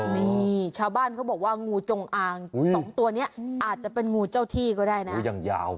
นี่ชาวบ้านเขาบอกว่างูจงอางสองตัวนี้อาจจะเป็นงูเจ้าที่ก็ได้นะงูยังยาว